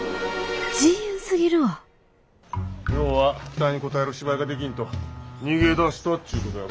自由すぎるわ要は期待に応える芝居ができんと逃げ出したっちゅうことやろ。